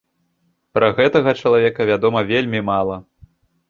Пра гэтага чалавека вядома вельмі мала.